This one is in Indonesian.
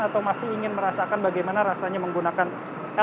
atau masih ingin merasakan bagaimana rasanya menggunakan link ini